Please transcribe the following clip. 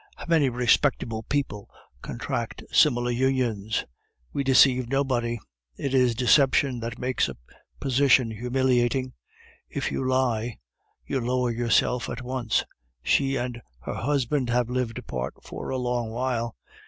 How many respectable people contract similar unions! We deceive nobody; it is deception that makes a position humiliating. If you lie, you lower yourself at once. She and her husband have lived apart for a long while.